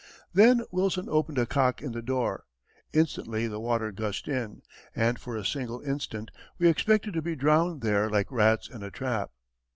Then Wilson opened a cock in the door. Instantly the water gushed in, and for a single instant we expected to be drowned there like rats in a trap.